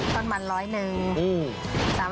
ต้อนมัน๑๐๑บาท